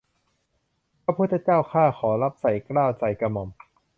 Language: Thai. พระพุทธเจ้าข้าขอรับใส่เกล้าใส่กระหม่อม